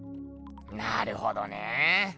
なるほどねぇ。